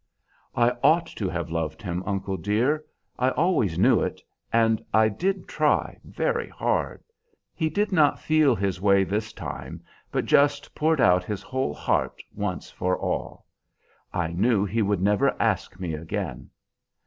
I ought to have loved him, uncle dear; I always knew it, and I did try very hard! He did not feel his way this time, but just poured out his whole heart once for all; I knew he would never ask me again.